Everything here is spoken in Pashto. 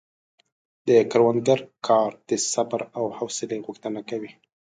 د کروندګر کار د صبر او حوصلې غوښتنه کوي.